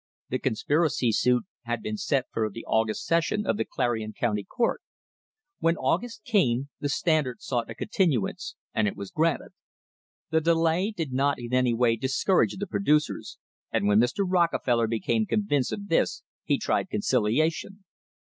The conspiracy suit had been set for the August session of the Clarion County court. When August came the Stand ard sought a continuance, and it was granted. The delay did not in any way discourage the producers, and when Mr. Rockefeller became convinced of this he tried conciliation.